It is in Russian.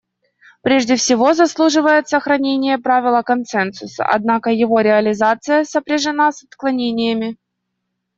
Прежде всего заслуживает сохранения правило консенсуса, однако его реализация сопряжена с отклонениями.